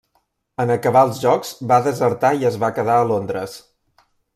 En acabar els Jocs va desertar i es va quedar a Londres.